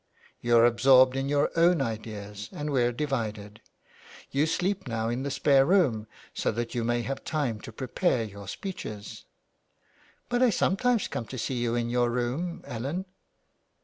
You're absorbed in your own ideas, and we're divided. You sleep now in the spare room, so that you may have time to prepare your speeches." " But 1 sometimes come to see you in your room, Ellen."